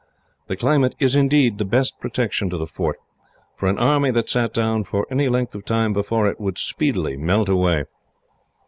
The climate is, indeed, the best protection to the fort, for an army that sat down for any length of time before it, would speedily melt away."